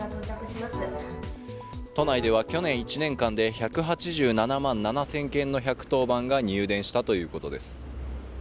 都内では去年１年間で１８７万７０００件の１１０番が入電したということです。